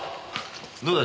どうだ？